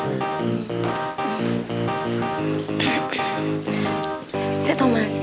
sekejap toh mas